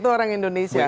itu orang indonesia